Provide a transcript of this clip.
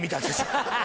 ハハハ！